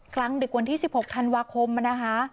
ครั้งดึกวันที่สิบหกธันวาคมนะฮะ